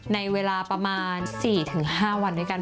ในเวลาประมาณ๔๕วันด้วยกัน